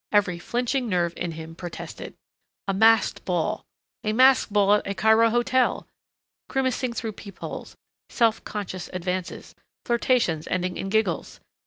Every flinching nerve in him protested. A masked ball a masked ball at a Cairo hotel! Grimacing through peep holes, self conscious advances, flirtations ending in giggles!